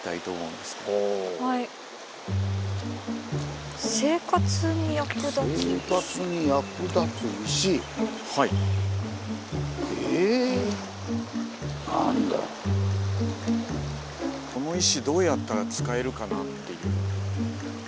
この石どうやったら使えるかなっていう感じだと思います。